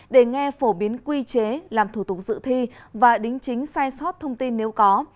để nghe phổ biến quy chế làm thủ tục dự thi và đính chính sai sót thông tin nếu có